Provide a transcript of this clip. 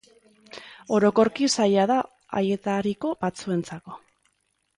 Orokorki zaila da haietariko batzurentako.